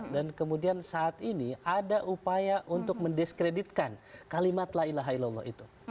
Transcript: dan kemudian saat ini ada upaya untuk mendiskreditkan kalimat la ilaha ilallah itu